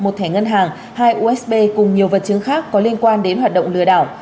một thẻ ngân hàng hai usb cùng nhiều vật chứng khác có liên quan đến hoạt động lừa đảo